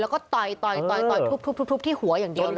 แล้วก็ต่อยทุบที่หัวอย่างเดียวเลย